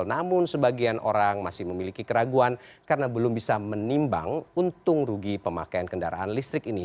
namun sebagian orang masih memiliki keraguan karena belum bisa menimbang untung rugi pemakaian kendaraan listrik ini